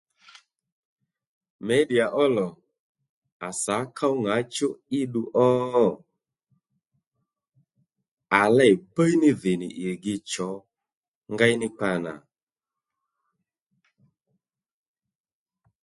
Mědìya ó lò à sǎ ków ŋǎchú í ddu ó à lêy bbíy ní dhì nì ì gi chǒ ngéy ní kpa nà